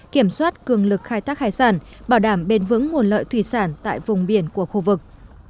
kiểm soát cường lực khai thác hải sản bảo đảm bền vững nguồn lợi thủy sản tại vùng biển của khu vực